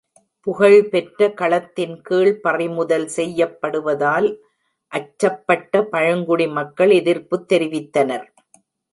புகழ்பெற்ற களத்தின் கீழ் பறிமுதல் செய்யப்படுவதால் அச்சப்பட்ட பழங்குடி மக்கள் எதிர்ப்புத் தெரிவித்தனர்.